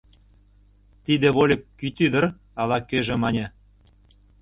— Тиде вольык кӱтӱ дыр, — ала-кӧжӧ мане.